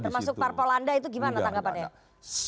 termasuk parpol anda itu gimana tanggapannya